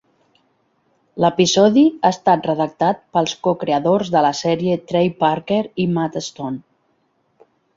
L"episodi ha estat redactat pels cocreadors de la sèrie Trey Parker i Matt Stone.